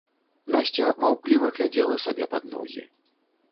Насця маўкліва глядзела сабе пад ногі.